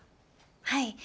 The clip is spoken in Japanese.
はい。